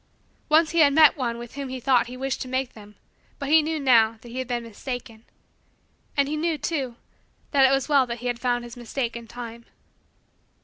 Once he had met one with whom he thought he wished to make them but he knew, now, that he had been mistaken. And he knew, too, that it was well that he had found his mistake in time.